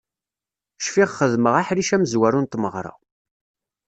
Cfiɣ xedmeɣ aḥric amezwaru n tmeɣra.